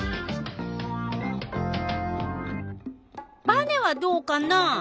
ばねはどうかな？